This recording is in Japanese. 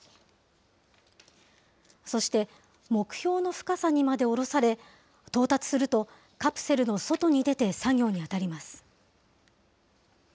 そして目標の深さにまで下ろされ、到達すると、カプセルの外に出て作業に当たります。